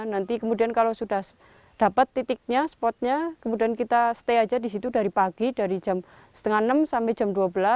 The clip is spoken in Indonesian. nanti kemudian kalau sudah dapat titiknya spotnya kemudian kita stay aja di situ dari pagi dari jam setengah enam sampai jam dua belas